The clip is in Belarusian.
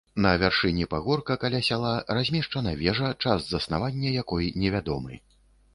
На вяршыні пагорка, каля сяла размешчана вежа, час заснавання якой невядомы.